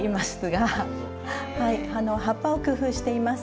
はい葉っぱを工夫しています。